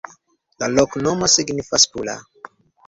La loknomo signifas: pula.